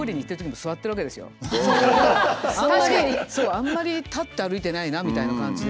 あんまり立って歩いてないなあみたいな感じで。